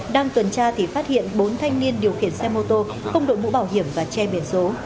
đang tuần tra thì phát hiện bốn thanh niên điều khiển xe mô tô không đội mũ bảo hiểm và che biển số